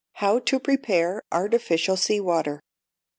How to Prepare Artificial Sea Water.